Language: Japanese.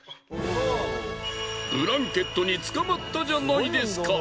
ブランケットに掴まったじゃないですか！